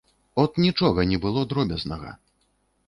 От нічога не было дробязнага.